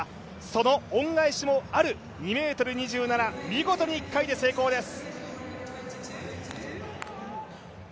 その恩返しもある２ｍ２７、見事に１回で成功です。